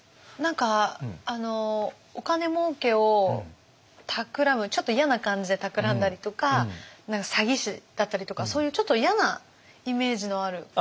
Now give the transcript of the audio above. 何かあのお金もうけをたくらむちょっと嫌な感じでたくらんだりとか詐欺師だったりとかそういうちょっと嫌なイメージのある。